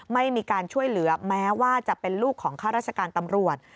ไม่มีการช่วยเหลือแม้ว่าจะเป็นลูกของข้าราชการตำรวจ